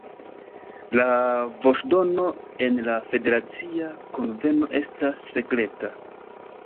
La voĉdono en la Federacia Kunveno estas sekreta.